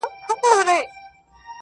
قاضي صاحبه ملامت نه یم، بچي وږي وه~